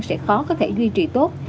sẽ khó có thể duy trì tốt